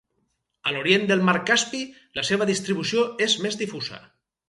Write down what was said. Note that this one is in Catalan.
A l'orient del mar Caspi, la seva distribució és més difusa.